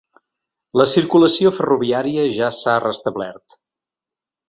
La circulació ferroviària ja s’ha restablert.